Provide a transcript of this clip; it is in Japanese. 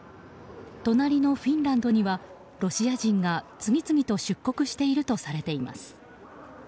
隣のフィンランドにはロシア人が次々と出国しているとされています。